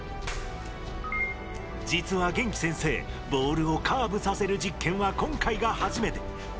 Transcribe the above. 実は元気先生ボールをカーブさせる実験は今回が初めて。